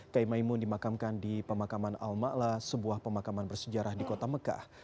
kiai maimun dimakamkan di pemakaman al ma'la sebuah pemakaman bersejarah di kota mekah